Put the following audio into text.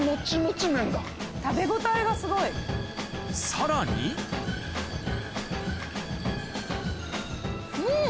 さらにうん！